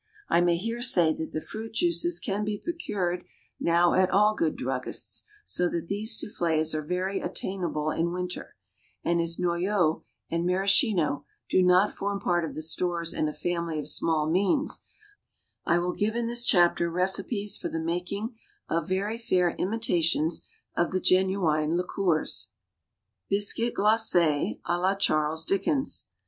I may here say that the fruit juices can be procured now at all good druggists, so that these soufflés are very attainable in winter, and as noyeau and maraschino do not form part of the stores in a family of small means, I will give in this chapter recipes for the making of very fair imitations of the genuine liqueurs. BISCUIT GLACÉ À LA CHARLES DICKENS.